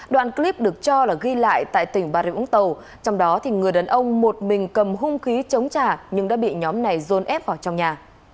đoạn clip được cho là ghi lại tại tỉnh bà rịa úng tàu trong đó thì người đàn ông một mình cầm hung khí chống trả nhưng đã bị nhóm này dôn ép vào trong nhà